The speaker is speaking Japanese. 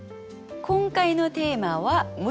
今回のテーマは「虫」。